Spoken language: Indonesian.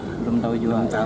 belum tau juga